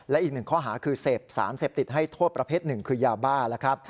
และอีกหนึ่งข้อหาคือเสพสารเสพติดให้โทษประเภทหนึ่งคือยาบ้าแล้วครับ